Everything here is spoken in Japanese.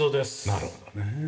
なるほどね。